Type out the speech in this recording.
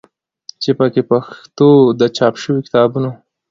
چې په کې د پښتو د چاپ شوي کتابونو